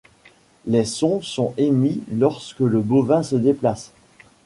Les sons sont émis lorsque le bovin se déplace.